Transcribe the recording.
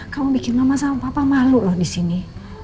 kamu bikin mama sama papa malu loh di sini